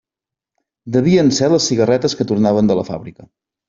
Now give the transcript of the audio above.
Devien ser les cigarreres que tornaven de la fàbrica.